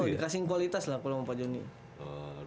dikasih kualitas lah kalo mau pajung ini